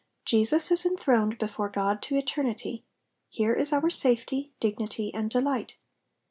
Jesus is enthroned before God to eternity ; hero is our safety, dignity, and delight.